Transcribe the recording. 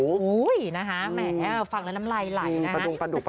อุ๊ยนะฮะแหมฟังแล้วน้ำลายไหล่นะฮะ